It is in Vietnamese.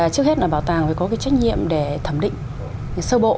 trước hết là bảo tàng phải có cái trách nhiệm để thẩm định sơ bộ